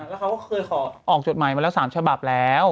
แล้วเขาก็เคยขอออกจดหมายมาแล้ว๓ฉบับแล้ว